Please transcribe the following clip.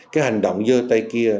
cái hành động dơ tay kia